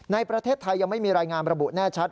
ในประเทศไทยยังไม่มีรายงานระบุแน่ชัด